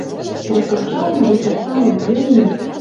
Строй покшалны, вуйта салым йӹлмӹ